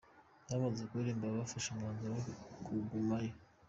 Bamaze kuririmba bafashe umwanzuro wo kugumayo.